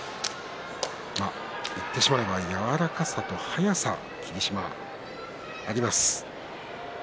いってしまえば柔らかさと速さが霧島はあります。